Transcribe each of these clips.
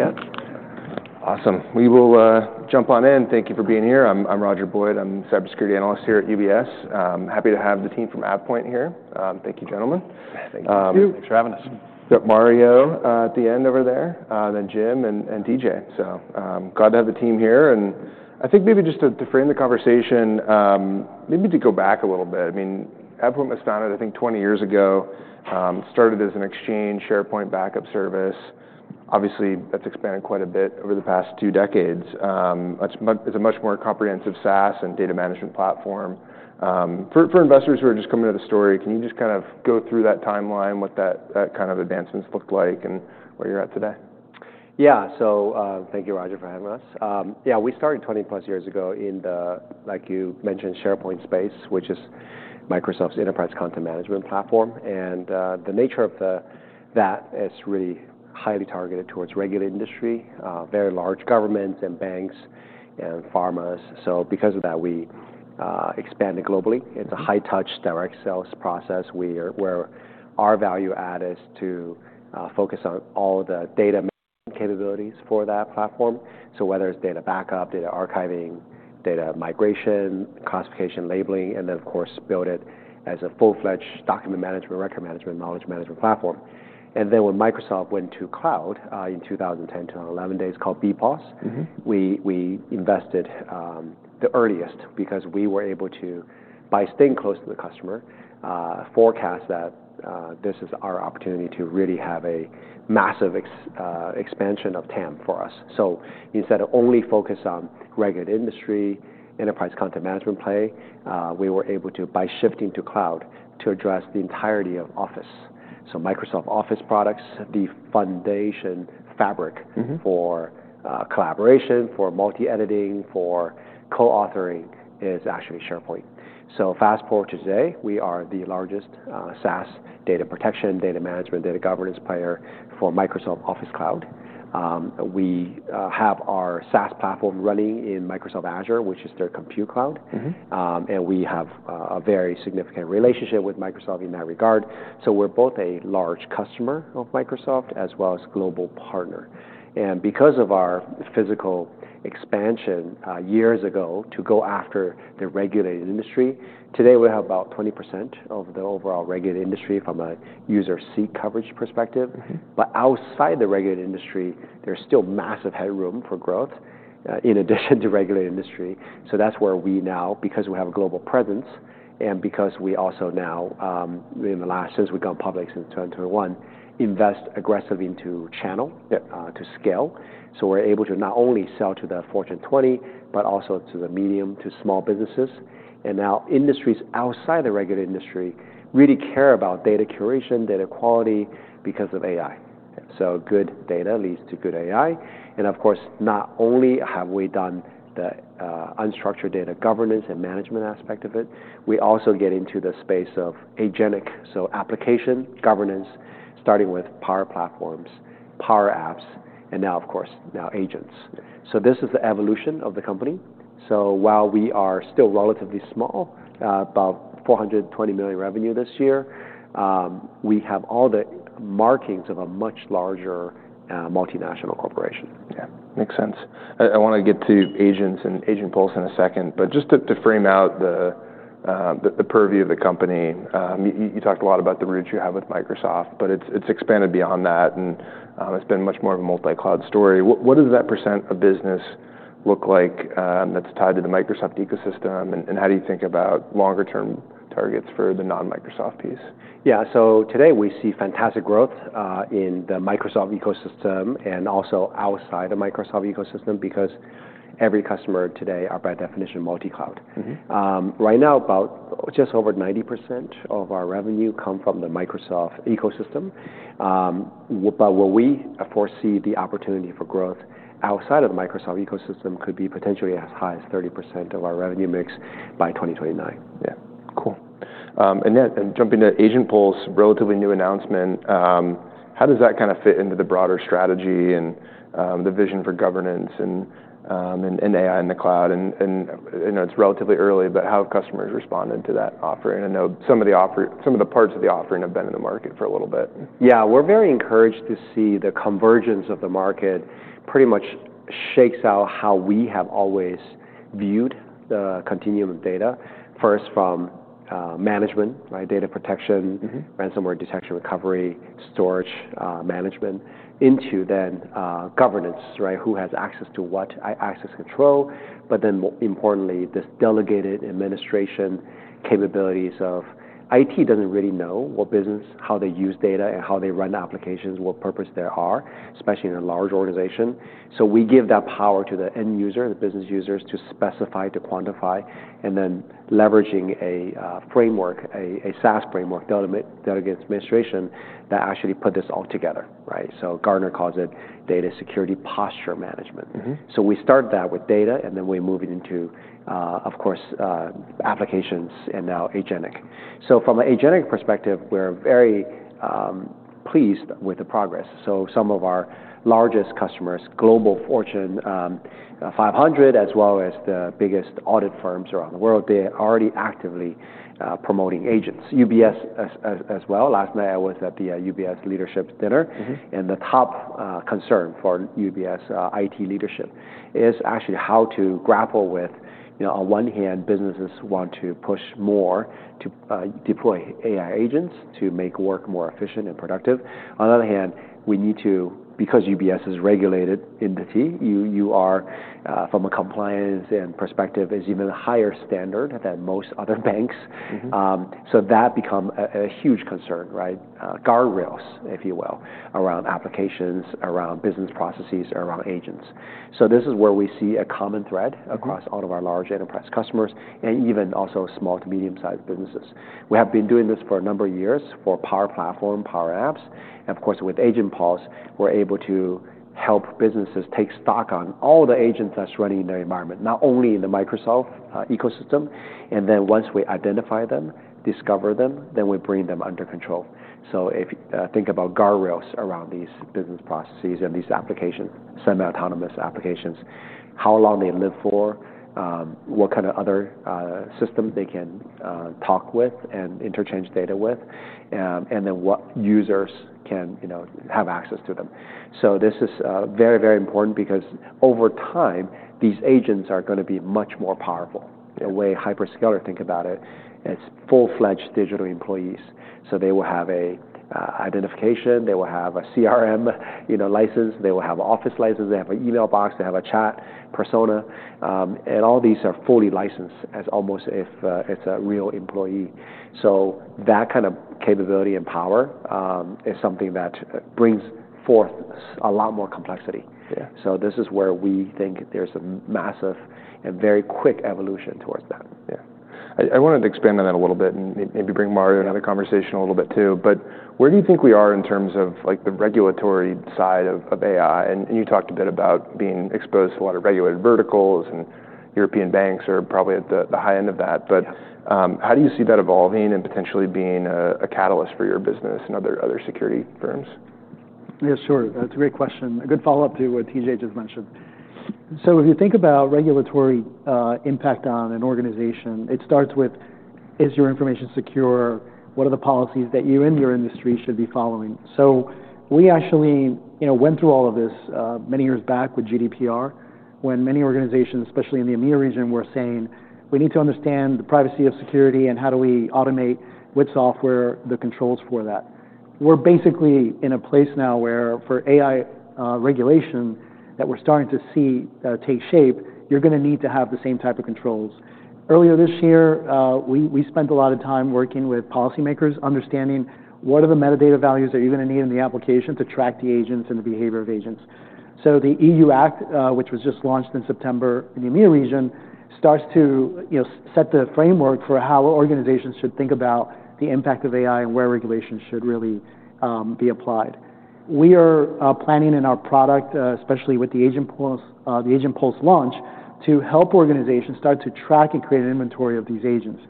Yep. Awesome. We will jump on in. Thank you for being here. I'm Roger Boyd. I'm a cybersecurity analyst here at UBS. Happy to have the team from AvePoint here. Thank you, gentlemen. Thank you. Thank you. Thanks for having us. Yep. Mario at the end over there, then Jim and TJ. So, glad to have the team here. And I think maybe just to frame the conversation, maybe to go back a little bit. I mean, AvePoint was founded, I think, 20 years ago. It started as an Exchange SharePoint backup service. Obviously, that's expanded quite a bit over the past two decades. It's a much more comprehensive SaaS and data management platform. For investors who are just coming to the story, can you just kind of go through that timeline, what that kind of advancements looked like, and where you're at today? Yeah. So, thank you, Roger, for having us. Yeah, we started 20-plus years ago in the, like you mentioned, SharePoint space, which is Microsoft's enterprise content management platform. And the nature of that is really highly targeted towards regulated industry, very large governments and banks and pharmas. So because of that, we expanded globally. It's a high-touch direct sales process. We are where our value add is to focus on all the data capabilities for that platform. So whether it's data backup, data archiving, data migration, classification, labeling, and then, of course, build it as a full-fledged document management, record management, knowledge management platform. And then when Microsoft went to cloud, in 2010, 2011, it was called BPOS. Mm-hmm. We invested the earliest because we were able to, by staying close to the customer, forecast that this is our opportunity to really have a massive expansion of TAM for us. So instead of only focus on regulated industry, enterprise content management play, we were able to, by shifting to cloud, to address the entirety of Office. So Microsoft Office products, the foundation fabric. Mm-hmm. For collaboration, for multi-editing, for co-authoring, is actually SharePoint. So fast forward to today, we are the largest SaaS data protection, data management, data governance player for Microsoft Office Cloud. We have our SaaS platform running in Microsoft Azure, which is their compute cloud. Mm-hmm. and we have a very significant relationship with Microsoft in that regard. So we're both a large customer of Microsoft as well as global partner. And because of our physical expansion years ago to go after the regulated industry, today we have about 20% of the overall regulated industry from a user seat coverage perspective. Mm-hmm. But outside the regulated industry, there's still massive headroom for growth, in addition to regulated industry. So that's where we now, because we have a global presence and because we also now, in the last, since we've gone public since 2021, invest aggressively into channel. Yep. to scale. So we're able to not only sell to the Fortune 20, but also to the medium, to small businesses. And now industries outside the regulated industry really care about data curation, data quality because of AI. Yep. So, good data leads to good AI. And of course, not only have we done the unstructured data governance and management aspect of it, we also get into the space of agentic. So application governance, starting with Power Platform, Power Apps, and now, of course, now agents. Yep. This is the evolution of the company. While we are still relatively small, about $420 million revenue this year, we have all the markings of a much larger, multinational corporation. Yeah. Makes sense. I wanna get to agents and Agent Pulse in a second. But just to frame out the purview of the company, you talked a lot about the roots you have with Microsoft, but it's expanded beyond that, and it's been much more of a multi-cloud story. What does that % of business look like, that's tied to the Microsoft ecosystem, and how do you think about longer-term targets for the non-Microsoft piece? Yeah. So today we see fantastic growth in the Microsoft ecosystem and also outside the Microsoft ecosystem because every customer today are, by definition, multi-cloud. Mm-hmm. Right now, about just over 90% of our revenue come from the Microsoft ecosystem. But where we foresee the opportunity for growth outside of the Microsoft ecosystem could be potentially as high as 30% of our revenue mix by 2029. Yeah. Cool. And yeah, jumping to Agent Pulse, relatively new announcement. How does that kinda fit into the broader strategy and the vision for governance and AI in the cloud? And you know, it's relatively early, but how have customers responded to that offering? I know some of the offering, some of the parts of the offering have been in the market for a little bit. Yeah. We're very encouraged to see the convergence of the market pretty much shakes out how we have always viewed the continuum of data, first from management, right, data protection. Mm-hmm. Ransomware detection, recovery, storage, management, and then governance, right, who has access to what, access control, but then more importantly, this delegated administration capabilities of IT doesn't really know what business, how they use data, and how they run applications, what purpose there are, especially in a large organization. So we give that power to the end user, the business users, to specify, to quantify, and then leveraging a framework, a SaaS framework, delimited delegated administration that actually put this all together, right? So Gartner calls it Data Security Posture Management. Mm-hmm. So we start that with data, and then we move it into, of course, applications and now agentic. So from an agentic perspective, we're very pleased with the progress. So some of our largest customers, global Fortune 500, as well as the biggest audit firms around the world, they're already actively promoting agents. UBS as well. Last night I was at the UBS leadership dinner. Mm-hmm. The top concern for UBS IT leadership is actually how to grapple with, you know, on one hand, businesses want to push more to deploy AI agents to make work more efficient and productive. On the other hand, we need to, because UBS is a regulated entity, you are from a compliance perspective is even a higher standard than most other banks. Mm-hmm. So that become a huge concern, right, guardrails, if you will, around applications, around business processes, around agents. This is where we see a common thread across all of our large enterprise customers and even also small to medium-sized businesses. We have been doing this for a number of years for Power Platform, Power Apps. And of course, with Agent Pulse, we're able to help businesses take stock on all the agents that's running in their environment, not only in the Microsoft ecosystem. And then once we identify them, discover them, then we bring them under control. If you think about guardrails around these business processes and these applications, semi-autonomous applications, how long they live for, what kind of other system they can talk with and interchange data with, and then what users can, you know, have access to them. This is, very, very important because over time, these agents are gonna be much more powerful. Yeah. The way hyperscalers think about it, it's full-fledged digital employees. So they will have an identification. They will have a CRM, you know, license. They will have an Office license. They have an email box. They have a chat persona, and all these are fully licensed as almost if it's a real employee. So that kind of capability and power is something that brings forth a lot more complexity. Yeah. This is where we think there's a massive and very quick evolution towards that. Yeah. I wanted to expand on that a little bit and maybe bring Mario into the conversation a little bit too. But where do you think we are in terms of, like, the regulatory side of AI? And you talked a bit about being exposed to a lot of regulated verticals, and European banks are probably at the high end of that. But. Yep. How do you see that evolving and potentially being a catalyst for your business and other security firms? Yeah, sure. That's a great question. A good follow-up to what TJ just mentioned. So if you think about regulatory impact on an organization, it starts with, is your information secure? What are the policies that you and your industry should be following? So we actually, you know, went through all of this, many years back with GDPR, when many organizations, especially in the EMEA region, were saying, "We need to understand the privacy and security and how do we automate with software the controls for that." We're basically in a place now where for AI regulation that we're starting to see take shape, you're gonna need to have the same type of controls. Earlier this year, we spent a lot of time working with policymakers understanding what are the metadata values that you're gonna need in the application to track the agents and the behavior of agents. So the EU AI Act, which was just launched in September in the EMEA region, starts to, you know, set the framework for how organizations should think about the impact of AI and where regulation should really be applied. We are planning in our product, especially with the Agent Pulse, the Agent Pulse launch, to help organizations start to track and create an inventory of these agents.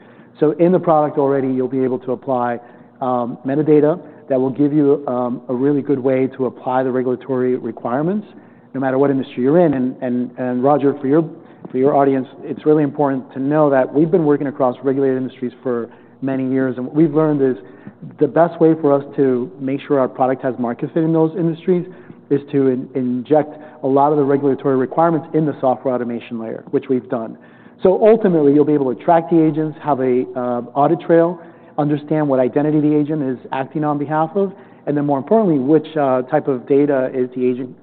In the product already, you'll be able to apply metadata that will give you a really good way to apply the regulatory requirements no matter what industry you're in. And Roger, for your audience, it's really important to know that we've been working across regulated industries for many years. And what we've learned is the best way for us to make sure our product has market fit in those industries is to inject a lot of the regulatory requirements in the software automation layer, which we've done. So ultimately, you'll be able to track the agents, have an audit trail, understand what identity the agent is acting on behalf of, and then more importantly, which type of data is the agent,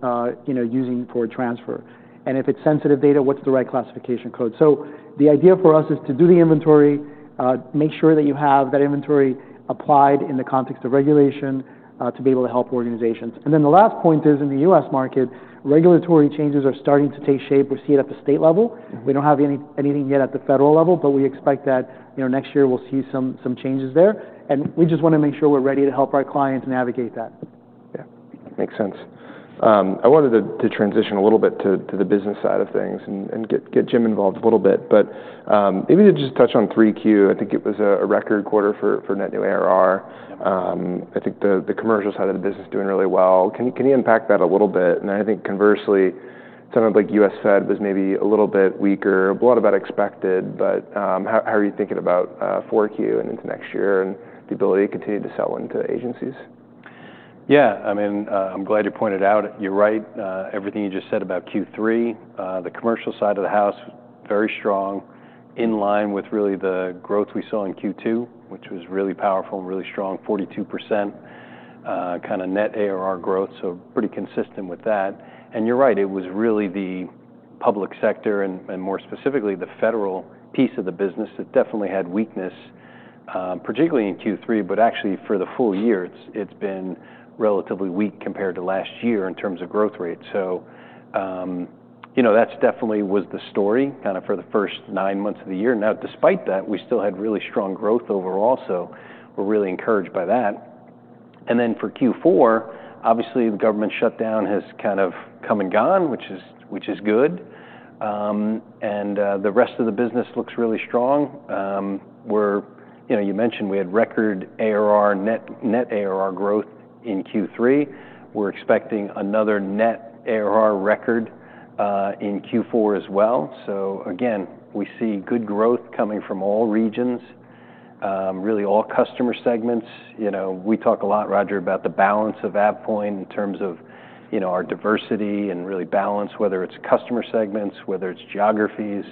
you know, using for transfer. And if it's sensitive data, what's the right classification code? So the idea for us is to do the inventory, make sure that you have that inventory applied in the context of regulation, to be able to help organizations. And then the last point is in the U.S. market, regulatory changes are starting to take shape. We see it at the state level. Mm-hmm. We don't have anything yet at the federal level, but we expect that, you know, next year we'll see some changes there, and we just wanna make sure we're ready to help our clients navigate that. Yeah. Makes sense. I wanted to transition a little bit to the business side of things and get Jim involved a little bit. But maybe to just touch on 3Q. I think it was a record quarter for net new ARR. Yep. I think the commercial side of the business is doing really well. Can you unpack that a little bit? And I think conversely, it sounded like U.S. Fed was maybe a little bit weaker, a lot of that expected. But how are you thinking about 4Q and into next year and the ability to continue to sell into agencies? Yeah. I mean, I'm glad you pointed out it. You're right. Everything you just said about Q3, the commercial side of the house, very strong, in line with really the growth we saw in Q2, which was really powerful and really strong, 42% net ARR growth. So pretty consistent with that. And you're right. It was really the public sector and more specifically the federal piece of the business that definitely had weakness, particularly in Q3, but actually for the full year, it's been relatively weak compared to last year in terms of growth rate. So, you know, that's definitely was the story kinda for the first nine months of the year. Now, despite that, we still had really strong growth overall. So we're really encouraged by that. And then for Q4, obviously the government shutdown has kind of come and gone, which is good. The rest of the business looks really strong. We're, you know, you mentioned we had record ARR net, net ARR growth in Q3. We're expecting another net ARR record, in Q4 as well. So again, we see good growth coming from all regions, really all customer segments. You know, we talk a lot, Roger, about the balance of AvePoint in terms of, you know, our diversity and really balance, whether it's customer segments, whether it's geographies,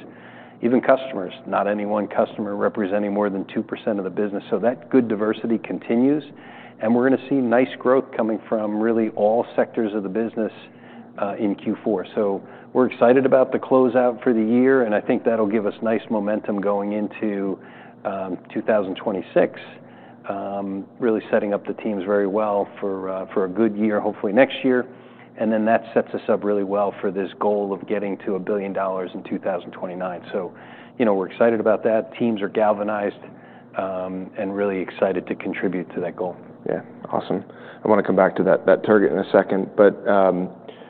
even customers, not any one customer representing more than 2% of the business. So that good diversity continues. And we're gonna see nice growth coming from really all sectors of the business, in Q4. So we're excited about the closeout for the year. And I think that'll give us nice momentum going into 2026, really setting up the teams very well for, for a good year, hopefully next year. And then that sets us up really well for this goal of getting to $1 billion in 2029. So, you know, we're excited about that. Teams are galvanized, and really excited to contribute to that goal. Yeah. Awesome. I wanna come back to that target in a second. But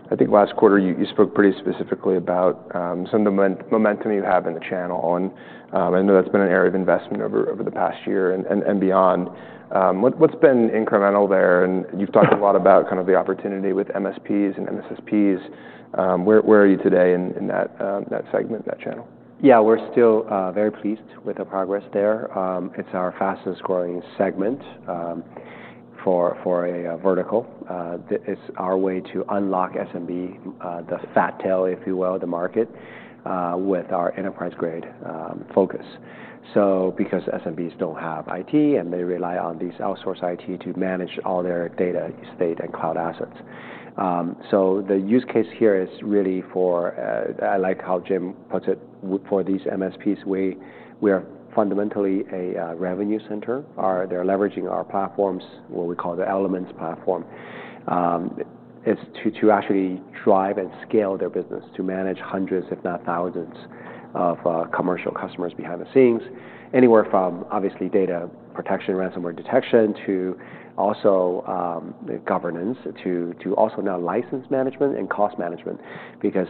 I think last quarter you spoke pretty specifically about some of the momentum you have in the channel. And I know that's been an area of investment over the past year and beyond. What's been incremental there? And you've talked a lot about kind of the opportunity with MSPs and MSSPs. Where are you today in that segment, that channel? Yeah. We're still very pleased with the progress there. It's our fastest growing segment for a vertical. It's our way to unlock SMB, the fat tail, if you will, the market, with our enterprise-grade focus. So because SMBs don't have IT and they rely on these outsourced IT to manage all their data estate and cloud assets. So the use case here is really for, I like how Jim puts it, we for these MSPs, we are fundamentally a revenue center. They're leveraging our platforms, what we call the Elements platform. It's to actually drive and scale their business, to manage hundreds, if not thousands of commercial customers behind the scenes, anywhere from obviously data protection, ransomware detection, to also the governance, to also now license management and cost management. Because,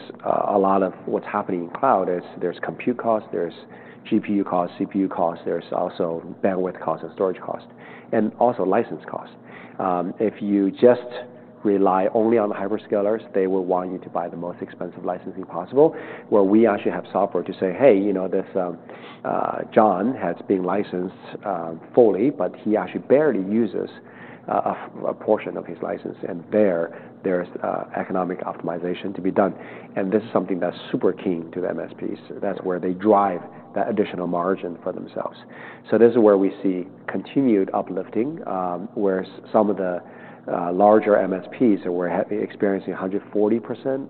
a lot of what's happening in cloud is there's compute cost, there's GPU cost, CPU cost, there's also bandwidth cost and storage cost, and also license cost. If you just rely only on the hyperscalers, they will want you to buy the most expensive licensing possible, where we actually have software to say, "Hey, you know, this John has been licensed, fully, but he actually barely uses a fraction of a portion of his license." And there's economic optimization to be done. And this is something that's super keen to the MSPs. That's where they drive that additional margin for themselves. So this is where we see continued uplifting, whereas some of the larger MSPs were experiencing 140%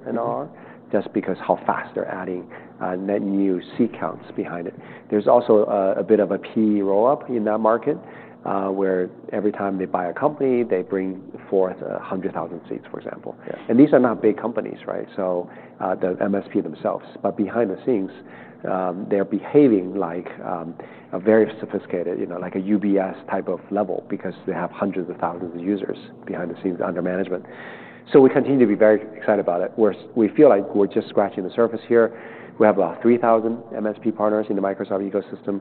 NR just because how fast they're adding net new seat counts behind it. There's also a bit of a PE roll-up in that market, where every time they buy a company, they bring forth 100,000 seats, for example. Yeah. These are not big companies, right? So, the MSP themselves. But behind the scenes, they're behaving like a very sophisticated, you know, like a UBS type of level because they have hundreds of thousands of users behind the scenes under management. So we continue to be very excited about it. We feel like we're just scratching the surface here. We have about 3,000 MSP partners in the Microsoft ecosystem.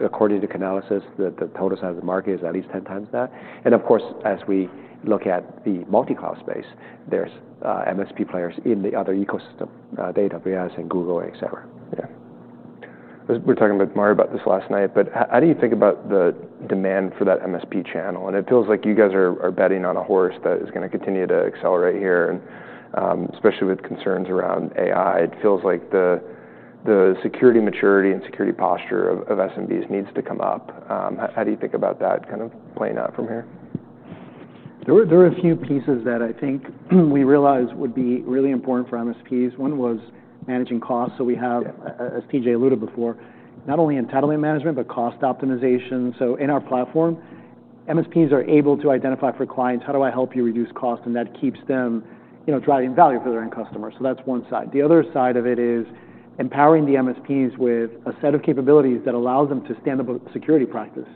According to Canalys, the total size of the market is at least 10 times that. And of course, as we look at the multicloud space, there's MSP players in the other ecosystem, AWS, and Google, etc. Yeah. We're talking with Mario about this last night. But how do you think about the demand for that MSP channel? And it feels like you guys are betting on a horse that is gonna continue to accelerate here. And, especially with concerns around AI, it feels like the security maturity and security posture of SMBs needs to come up. How do you think about that kind of playing out from here? There were a few pieces that I think we realized would be really important for MSPs. One was managing costs. So we have. Yeah. As TJ alluded before, not only entitlement management but cost optimization. So in our platform, MSPs are able to identify for clients, "How do I help you reduce cost?" And that keeps them, you know, driving value for their end customers. So that's one side. The other side of it is empowering the MSPs with a set of capabilities that allows them to stand up a security practice.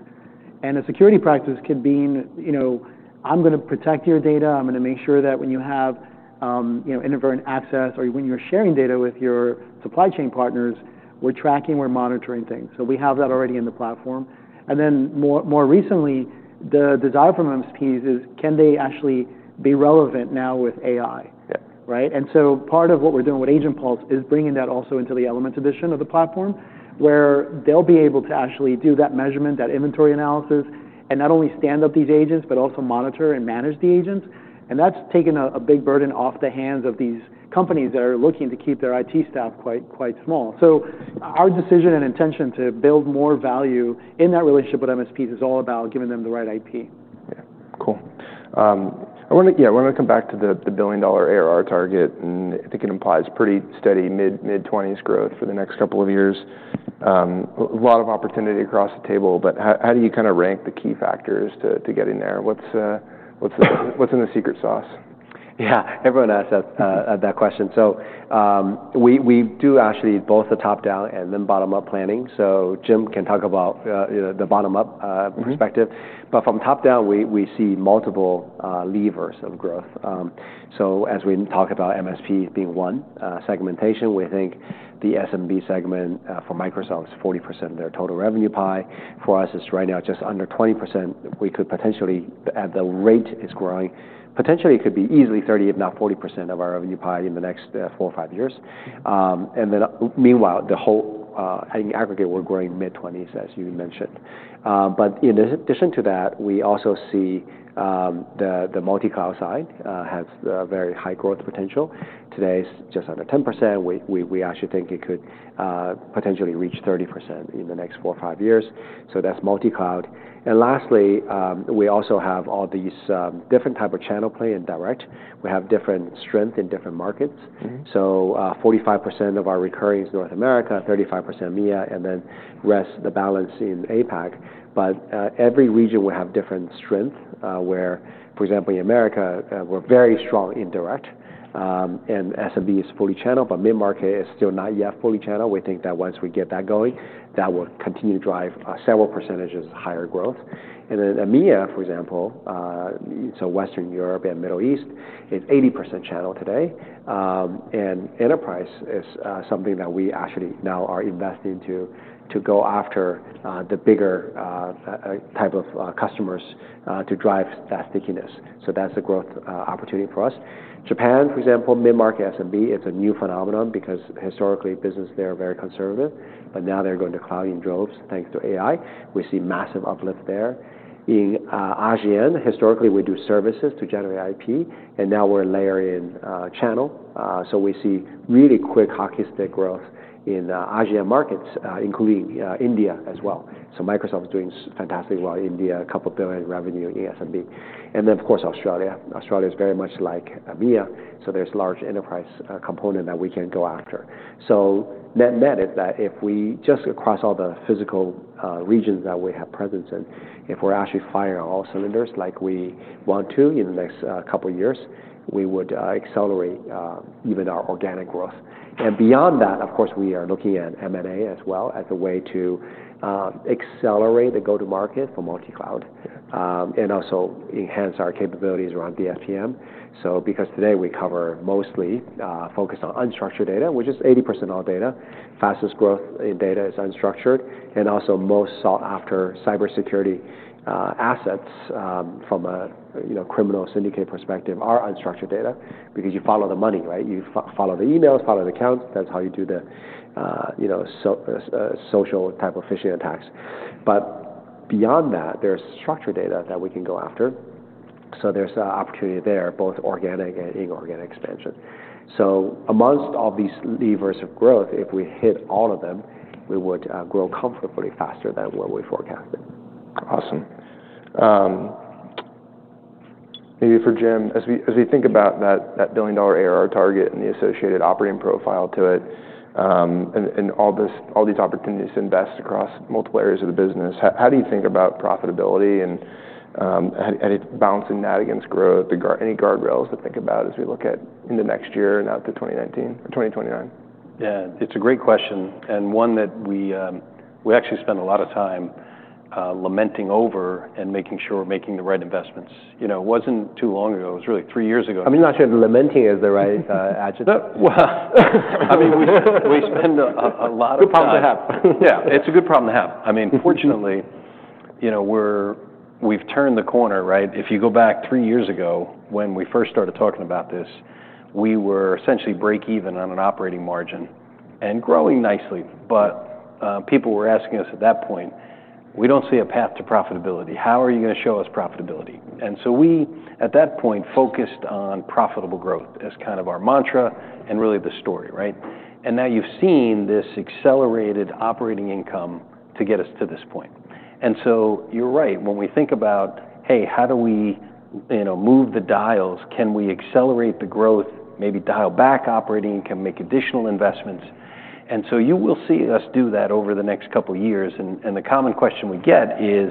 And a security practice could mean, you know, "I'm gonna protect your data. I'm gonna make sure that when you have, you know, inadvertent access or when you're sharing data with your supply chain partners, we're tracking, we're monitoring things." So we have that already in the platform. And then more recently, the desire from MSPs is, "Can they actually be relevant now with AI? Yeah. Right? And so part of what we're doing with Agent Pulse is bringing that also into the Elements edition of the platform, where they'll be able to actually do that measurement, that inventory analysis, and not only stand up these agents but also monitor and manage the agents. And that's taken a big burden off the hands of these companies that are looking to keep their IT staff quite, quite small. So our decision and intention to build more value in that relationship with MSPs is all about giving them the right IP. Yeah. Cool. I wanna come back to the billion-dollar ARR target. And I think it implies pretty steady mid-20s growth for the next couple of years. A lot of opportunity across the table. But how do you kinda rank the key factors to getting there? What's in the secret sauce? Yeah. Everyone asks that, that question. So, we do actually both the top-down and then bottom-up planning. So Jim can talk about, you know, the bottom-up perspective. Mm-hmm. But from top-down, we see multiple levers of growth. So as we talk about MSPs being one, segmentation, we think the SMB segment for Microsoft is 40% of their total revenue pie. For us, it's right now just under 20%. We could potentially, at the rate it's growing, potentially could be easily 30%, if not 40% of our revenue pie in the next four or five years. And then, meanwhile, the whole, I think aggregate, we're growing mid-20s, as you mentioned. But in addition to that, we also see the multicloud side has very high growth potential. Today it's just under 10%. We actually think it could potentially reach 30% in the next four or five years. So that's multicloud. And lastly, we also have all these different type of channel play and direct. We have different strength in different markets. Mm-hmm. 45% of our recurring is North America, 35% EMEA, and then the rest the balance in APAC. But every region will have different strength, where, for example, in America, we're very strong in direct, and SMB is fully channeled, but mid-market is still not yet fully channeled. We think that once we get that going, that will continue to drive several percentages higher growth. EMEA, for example, so Western Europe and Middle East is 80% channel today, and enterprise is something that we actually now are investing to go after the bigger type of customers to drive that stickiness. That's a growth opportunity for us. Japan, for example, mid-market SMB, it's a new phenomenon because historically, businesses there are very conservative. But now they're going to cloud in droves thanks to AI. We see massive uplift there. In ASEAN, historically, we do services to generate IP. And now we're layering a channel. So we see really quick hockey stick growth in ASEAN markets, including India as well. So Microsoft is doing so fantastic in India, $2 billion revenue in SMB. And then, of course, Australia. Australia is very much like EMEA. So there's large enterprise component that we can go after. So net-net is that if we just across all the geographical regions that we have presence in, if we're actually firing all cylinders like we want to in the next couple years, we would accelerate even our organic growth. And beyond that, of course, we are looking at M&A as well as a way to accelerate the go-to-market for multicloud, and also enhance our capabilities around DSPM. So because today we cover mostly focused on unstructured data, which is 80% all data, fastest growth in data is unstructured. And also most sought-after cybersecurity assets from a, you know, criminal syndicate perspective are unstructured data because you follow the money, right? You follow the emails, follow the accounts. That's how you do the, you know, so social type of phishing attacks. But beyond that, there's structured data that we can go after. So there's a opportunity there, both organic and inorganic expansion. So amongst all these levers of growth, if we hit all of them, we would grow comfortably faster than what we forecasted. Awesome. Maybe for Jim, as we think about that billion-dollar ARR target and the associated operating profile to it, and all these opportunities to invest across multiple areas of the business, how do you think about profitability and how do you balance that against growth? Any guardrails to think about as we look into next year and out to 2029? Yeah. It's a great question. And one that we actually spend a lot of time lamenting over and making sure we're making the right investments. You know, it wasn't too long ago. It was really three years ago. I'm not sure if lamenting is the right adjective. No. Well, I mean, we spend a lot of time. Good problem to have. Yeah. It's a good problem to have. I mean, fortunately, you know, we're, we've turned the corner, right? If you go back three years ago when we first started talking about this, we were essentially break-even on an operating margin and growing nicely. But, people were asking us at that point, "We don't see a path to profitability. How are you gonna show us profitability?" And so we, at that point, focused on profitable growth as kind of our mantra and really the story, right? And now you've seen this accelerated operating income to get us to this point. And so you're right. When we think about, "Hey, how do we, you know, move the dials? Can we accelerate the growth, maybe dial back operating income, make additional investments?" And so you will see us do that over the next couple of years. The common question we get is,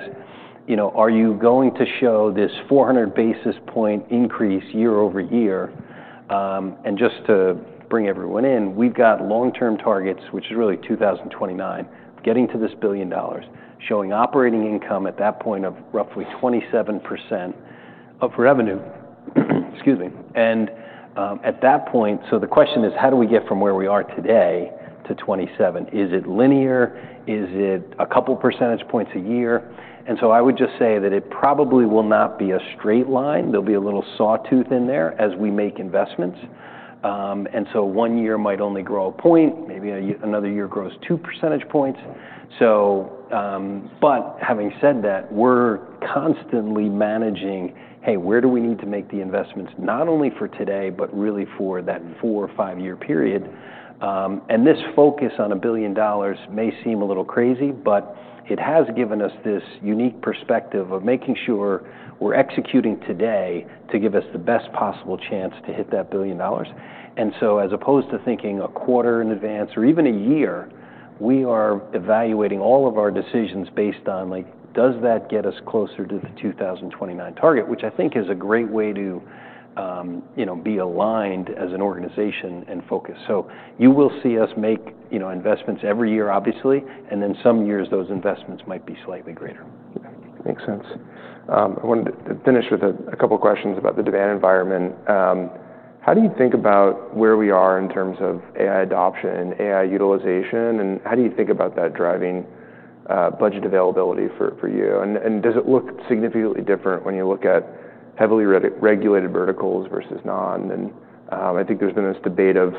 you know, "Are you going to show this 400 basis point increase year-over-year?" and just to bring everyone in, we've got long-term targets, which is really 2029, getting to this $1 billion, showing operating income at that point of roughly 27% of revenue. Excuse me. At that point, so the question is, how do we get from where we are today to 27? Is it linear? Is it a couple percentage points a year? And so I would just say that it probably will not be a straight line. There'll be a little sawtooth in there as we make investments. And so one year might only grow a point. Maybe another year grows 2 percentage points. But having said that, we're constantly managing, "Hey, where do we need to make the investments, not only for today but really for that four or five-year period?" and this focus on $1 billion may seem a little crazy, but it has given us this unique perspective of making sure we're executing today to give us the best possible chance to hit that $1 billion. As opposed to thinking a quarter in advance or even a year, we are evaluating all of our decisions based on, like, does that get us closer to the 2029 target, which I think is a great way to, you know, be aligned as an organization and focus. You will see us make, you know, investments every year, obviously. Some years, those investments might be slightly greater. Okay. Makes sense. I wanted to, to finish with a, a couple questions about the demand environment. How do you think about where we are in terms of AI adoption and AI utilization? And how do you think about that driving, budget availability for, for you? And, and does it look significantly different when you look at heavily regulated verticals versus non? And, I think there's been this debate of,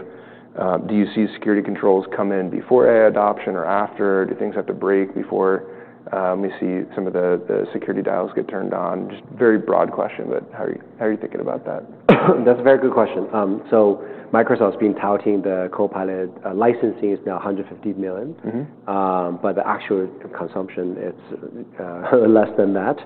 do you see security controls come in before AI adoption or after? Do things have to break before, we see some of the, the security dials get turned on? Just very broad question, but how are you thinking about that? That's a very good question. So Microsoft's been touting the Copilot, licensing is now 150 million. Mm-hmm. But the actual consumption, it's less than that.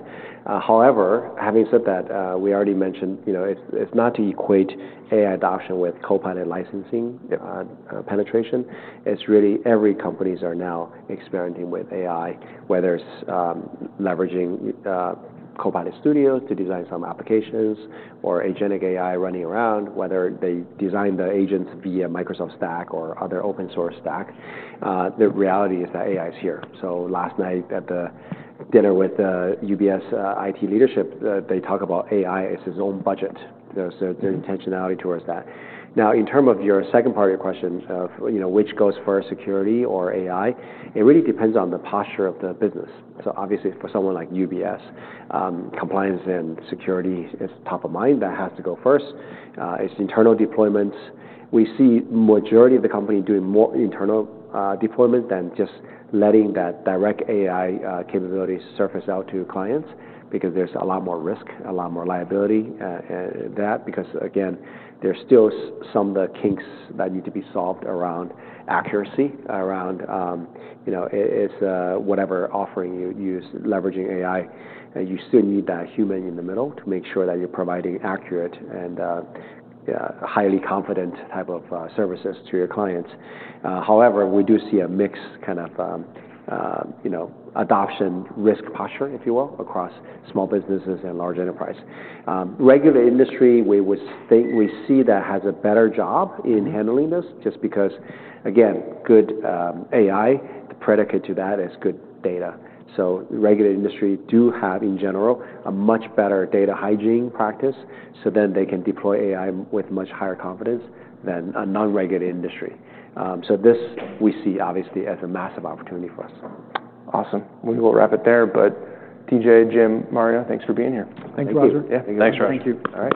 However, having said that, we already mentioned, you know, it's not to equate AI adoption with Copilot licensing. Yep. Penetration. It's really every companies are now experimenting with AI, whether it's leveraging Copilot Studio to design some applications or agentic AI running around, whether they design the agents via Microsoft stack or other open-source stack. The reality is that AI is here. So last night at the dinner with UBS IT leadership, they talk about AI as its own budget. There's intentionality towards that. Now, in term of your second part of your question of, you know, which goes first, security or AI, it really depends on the posture of the business. So obviously, for someone like UBS, compliance and security is top of mind. That has to go first. It's internal deployments. We see the majority of the company doing more internal deployment than just letting that direct AI capability surface out to clients because there's a lot more risk, a lot more liability, that because, again, there's still some of the kinks that need to be solved around accuracy, around, you know, it's, whatever offering you use, leveraging AI. You still need that human in the middle to make sure that you're providing accurate and highly confident type of services to your clients. However, we do see a mix kind of, you know, adoption risk posture, if you will, across small businesses and large enterprise. Regulated industry, we would think we see that has a better job in handling this just because, again, good AI predicate to that is good data. So the regulated industry do have, in general, a much better data hygiene practice. So then they can deploy AI with much higher confidence than a non-regulated industry, so this we see obviously as a massive opportunity for us. Awesome. We will wrap it there. But TJ, Jim, Mario, thanks for being here. Thanks, Roger. Thank you. Yeah. Thanks, Roger. Thank you. All right.